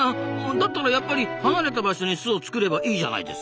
だったらやっぱり離れた場所に巣を作ればいいじゃないですか。